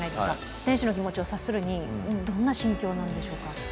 選手の気持ちを察するにどんな心境なんでしょうか。